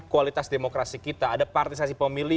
kualitas demokrasi kita ada partisasi pemilih